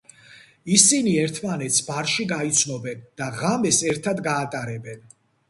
ისინი ერთმანეთს ბარში გაიცნობენ და ღამეს ერთად გაატარებენ.